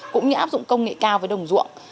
cũng như áp dụng công nghệ cao với đồng ruộng